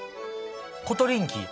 コトリンキー。